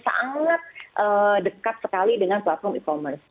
sangat dekat sekali dengan platform e commerce